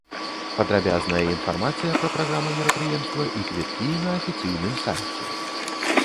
Падрабязная інфармацыя пра праграму мерапрыемства і квіткі на афіцыйным сайце.